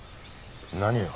何を？